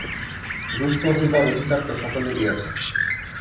রুষ্ট হইবার অধিকার তো সকলেরই আছে।